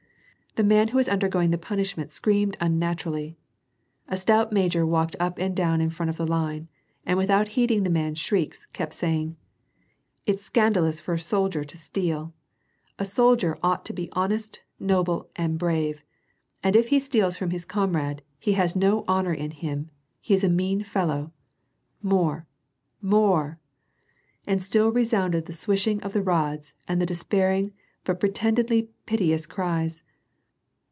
The man who was undergoing the punishment screamed un naturally. A stout major walked up and down in front of the line, and without heeding the man's shrieks, kept saying, —" It's scandalous for a soldier to steal ; a soldier ought to be honest, noble, and brave, and if he steals from his comrade, he has no honor in him ; he's a mean fellow. More I more !" And still resounded the swishing of the rods and the despair ing but pretendedly piteous cries.